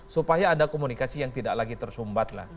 supaya ada komunikasi yang tidak lagi tersumbat lah